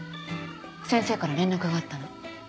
先生から連絡があったの。